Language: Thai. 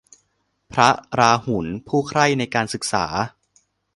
พระราหุล ผู้ใคร่ในการศึกษา